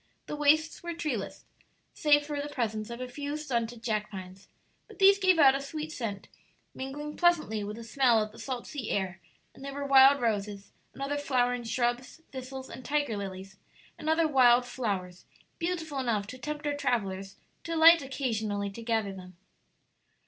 The wastes were treeless, save for the presence of a few stunted jack pines; but these gave out a sweet scent, mingling pleasantly with the smell of the salt sea air; and there were wild roses and other flowering shrubs, thistles and tiger lilies and other wild flowers, beautiful enough to tempt our travellers to alight occasionally to gather them.